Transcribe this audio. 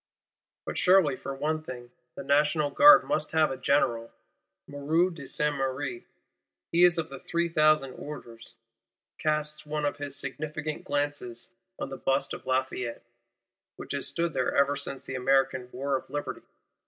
But surely, for one thing, the National Guard must have a General! Moreau de Saint Méry, he of the "three thousand orders," casts one of his significant glances on the Bust of Lafayette, which has stood there ever since the American War of Liberty.